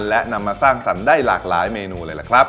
และนำมาสร้างสรรค์ได้หลากหลายเมนูเลยล่ะครับ